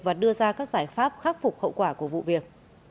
và đưa ra các giải pháp khắc phục hậu quả của vụ việc